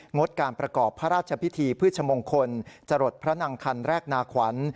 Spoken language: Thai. ดการประกอบพระราชพิธีพฤชมงคลจรดพระนางคันแรกนาขวัญ